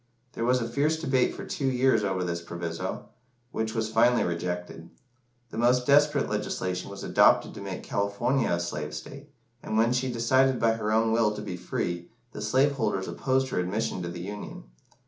There was a fierce debate for two years over this proviso, which was finally rejected. The most desperate legislation was adopted to make California a slave state, and when she decided by her own will to be free, the slave holders opposed her admission to the Union.